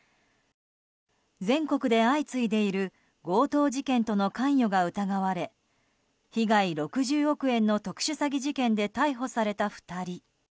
全国で相次いでいる強盗事件との関与が疑われ被害６０億円の特殊詐欺事件で逮捕された２人。